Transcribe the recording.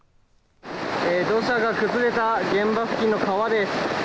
土砂が崩れた現場付近の川です。